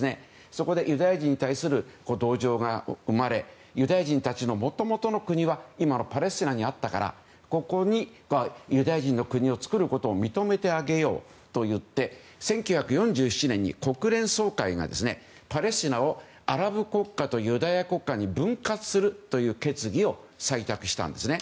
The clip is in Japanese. そこでユダヤ人に対する同情が生まれユダヤ人たちのもともとの国は今のパレスチナにあったからここにユダヤ人の国を作ることを認めてあげようといって１９４７年に国連総会がパレスチナをアラブ国家とユダヤ国家に分割するという決議を採択したんですね。